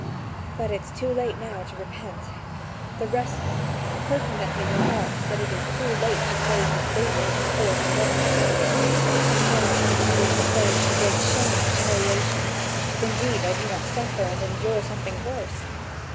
But it's too late now to repent. The rustic, who seldom errs, pertinently remarks that it is too late to close the stable when the horse is out. I know I shall now be exposed to great shame and humiliation, if indeed I do not suffer and endure something worse.